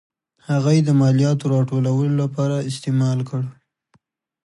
هغه یې د مالیاتو راټولولو لپاره استعمال کړ.